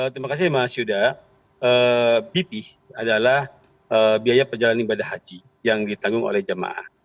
terima kasih mas yuda bp adalah biaya perjalanan ibadah haji yang ditanggung oleh jemaah